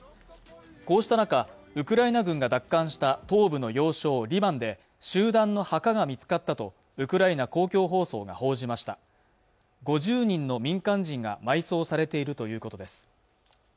こうした中ウクライナ軍が奪還した東部の要衝リマンで集団の墓が見つかったとウクライナ公共放送が報じました５０人の民間人が埋葬されているということです